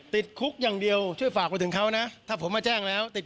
ติดคุกอย่างเดียวช่วยฝากไปถึงเขานะถ้าผมมาแจ้งแล้วติด